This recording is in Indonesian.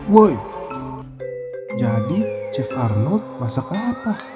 woy jadi chef arnold masak apa